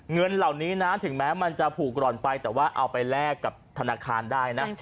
เงินเหล่านี้นะถึงแม้มันจะผูกหล่อนไปแต่ว่าเอาไปแลกกับธนาคารได้นะ